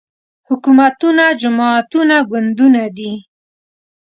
حکومتونه جماعتونه ګوندونه دي